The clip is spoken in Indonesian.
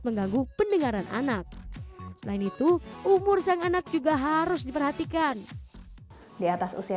mengganggu pendengaran anak selain itu umur sang anak juga harus diperhatikan di atas usia